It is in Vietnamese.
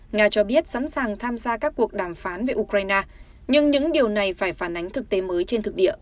nga cho biết sẵn sàng tham gia các cuộc đàm phán về ukraine nhưng những điều này phải phản ánh thực tế mới trên thực địa